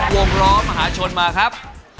วงล้อมหาชนมาครับ